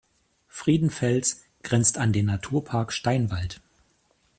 Friedenfels grenzt an den Naturpark Steinwald.